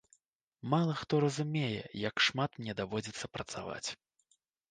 Мала хто разумее, як шмат мне даводзіцца працаваць.